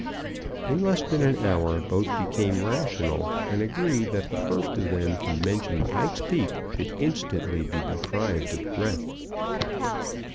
In less than an hour both became rational, and agreed that the first of them to mention Pike's Peak should instantly be deprived of breath.